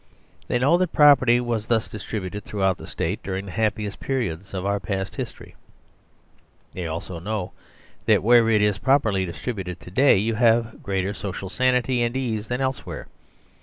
They know that property was thus distributed throughout the State during the happiest periods of our past history; they also know that where it is properly distributed to day, you have greater social sanity and ease than elsewhere.